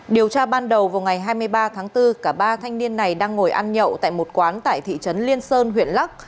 điều tra ban đầu vào ngày hai mươi ba tháng bốn cả ba thanh niên này đang ngồi ăn nhậu tại một quán tại thị trấn liên sơn huyện lắc